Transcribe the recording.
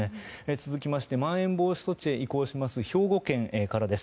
続きまして、まん延防止措置へ移行します兵庫県です。